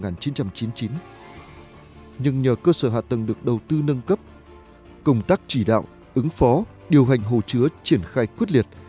nhưng nhờ cơ sở hạ tầng được đầu tư nâng cấp công tác chỉ đạo ứng phó điều hành hồ chứa triển khai quyết liệt